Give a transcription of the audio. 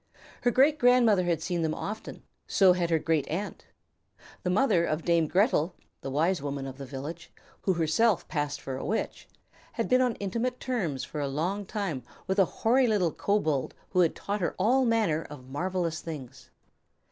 Her great grandmother had seen them often; so had her great aunt. The mother of Dame Gretel, the wise woman of the village, who herself passed for a witch, had been on intimate terms for a long time with a hoary little kobold who had taught her all manner of marvellous things.